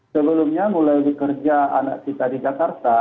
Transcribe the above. sebelumnya mulai bekerja anak kita di jakarta